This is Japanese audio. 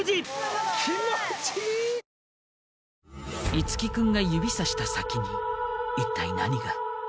樹君が指さした先にいったい何が。